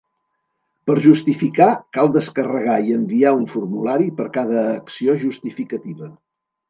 Per justificar cal descarregar i enviar un formulari per cada acció justificativa.